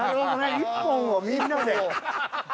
１本をみんなで。